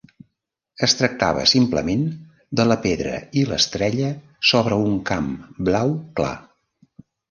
Es tractava simplement de la pedra i l'estrella sobre un camp blau clar.